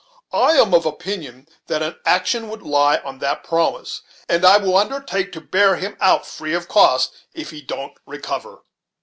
I am of opinion that an action would lie on that promise, and I will undertake to bear him out, free of costs, if he don't recover."